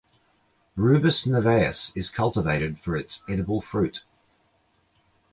"Rubus niveus" is cultivated for its edible fruit.